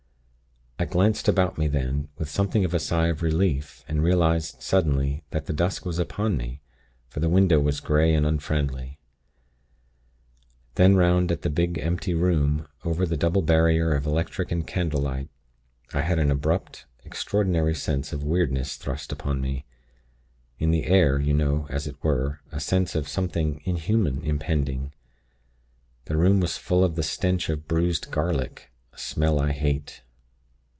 "I glanced about me then, with something of a sigh of relief, and realized suddenly that the dusk was upon me, for the window was grey and unfriendly. Then 'round at the big, empty room, over the double barrier of electric and candle light. I had an abrupt, extraordinary sense of weirdness thrust upon me in the air, you know; as it were, a sense of something inhuman impending. The room was full of the stench of bruised garlic, a smell I hate.